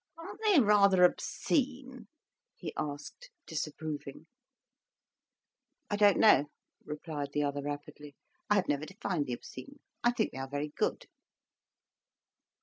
"Aren't they rather obscene?" he asked, disapproving. "I don't know," murmured the other rapidly. "I have never defined the obscene. I think they are very good."